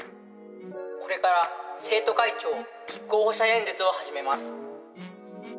これから生徒会長立候補者演説を始めます。